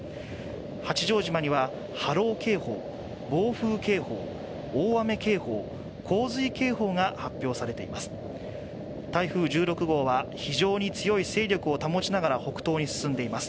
八丈島には波浪警報、暴風警報大雨警報、洪水警報が発表されています。